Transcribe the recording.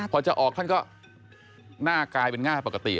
พอจะออกท่านก็หน้ากลายเป็นง่ายปกติ